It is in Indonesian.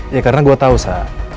ya karena gue tau sa